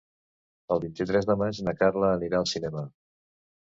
El vint-i-tres de maig na Carla anirà al cinema.